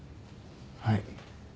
はい。